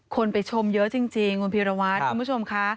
คนไปชมเยอะจริงคุณพีรวัตรคุณผู้ชมค่ะ